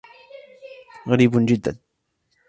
غريب جداً.